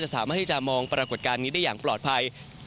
สามารถที่จะมองปรากฏการณ์นี้ได้อย่างปลอดภัย